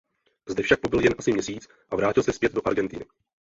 Zde však pobyl jen asi měsíc a vrátil se zpět do Argentiny.